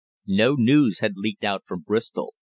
No news had leaked out from Bristol.